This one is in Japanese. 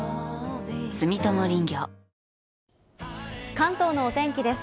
関東のお天気です。